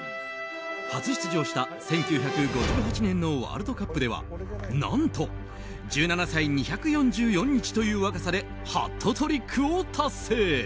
初出場した１９５８年のワールドカップでは何と１７歳２４４日という若さでハットトリックを達成。